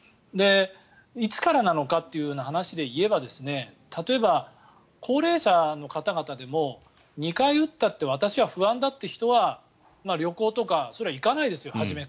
いつからなのかという話で言えば例えば高齢者の方々でも２回打ったって私は不安だという人は、初めから旅行とか行かないですよ。